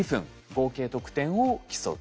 合計得点を競うと。